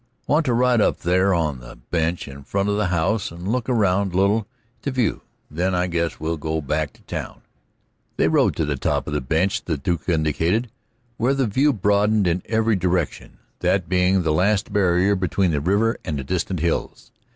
"I want to ride up there on that bench in front of the house and look around a little at the view; then I guess we'll go back to town." They rode to the top of the bench the Duke indicated, where the view broadened in every direction, that being the last barrier between the river and the distant hills.